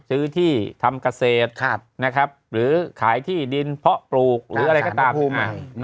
ซื้อที่ทำเกษตรหรือขายที่ดินเพาะปลูกหรืออะไรก็ตาม